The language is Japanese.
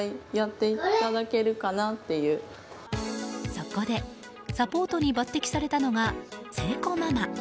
そこで、サポートに抜擢されたのが青子ママ。